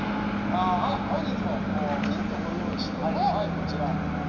本日もヒントご用意しております。